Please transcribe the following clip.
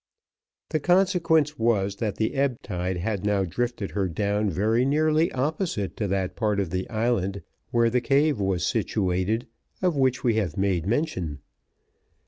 The consequence was, that the ebb tide had now drifted her down very nearly opposite to that part of the island where the cave was situated of which we have made mention.